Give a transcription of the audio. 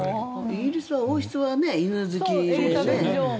イギリスは王室は犬好きですよね。